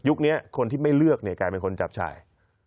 นี้คนที่ไม่เลือกเนี่ยกลายเป็นคนจับชาย